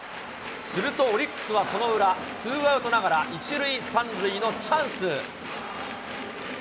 するとオリックスはその裏、ツーアウトながら、一塁三塁のチャンス。